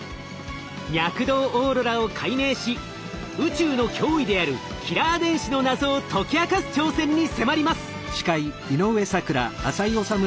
脈動オーロラを解明し宇宙の脅威であるキラー電子の謎を解き明かす挑戦に迫ります！